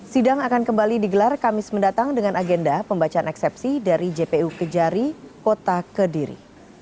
sidang akan kembali digelar kamis mendatang dengan agenda pembacaan eksepsi dari jpu kejari kota kediri